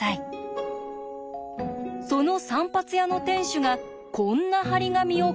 その散髪屋の店主がこんな貼り紙を掲げていました。